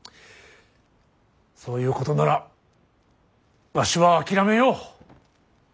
そういうことならわしは諦めよう。